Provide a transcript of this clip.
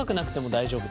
大丈夫？